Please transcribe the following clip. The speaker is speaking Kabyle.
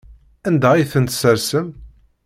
Anda ay ten-tessersem?